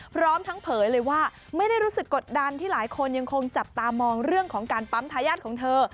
พร้อมทั้งเผยเลยว่าไม่ได้รู้สึกกดดันที่หลายคนยังคงจับตามองเรื่องของการปั๊มทายาทของเธอ